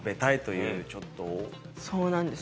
そうなんです。